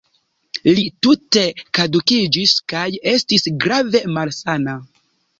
Li tute kadukiĝis kaj estis grave malsana.